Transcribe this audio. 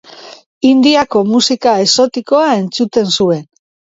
Indiako musika exotikoa entzuten zuen.